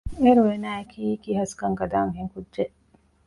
އޭރު އޭނާއަކީ ކިހަސްކަން ގަދަ އަންހެންކުއްޖެއް